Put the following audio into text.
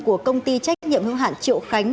của công ty trách nhiệm hữu hạn triệu khánh